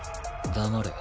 黙れ。